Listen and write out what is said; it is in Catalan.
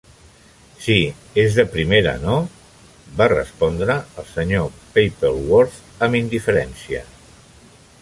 "Sí, és de primera, no?", va respondre el Sr. Pappleworth amb indiferència.